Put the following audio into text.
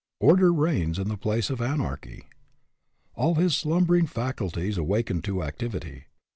Order reigns in the place of anarchy. All his slumbering faculties awaken to activity.